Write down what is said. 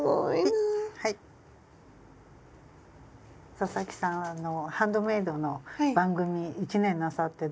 佐々木さんはハンドメイドの番組１年なさってどうですか？